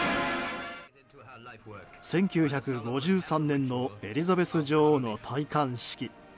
１９５３年のエリザベス女王の戴冠式。